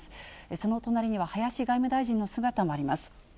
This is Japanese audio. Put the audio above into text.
その隣には、林外務大臣の姿もあります。